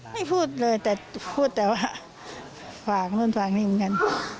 พูดเลยแต่พูดแต่ว่าฝากนู่นฝากนี่เหมือนกัน